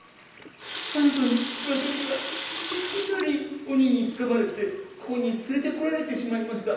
「ある晩私はいきなり鬼につかまれてここに連れてこられてしまいました。